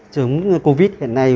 chống covid hiện nay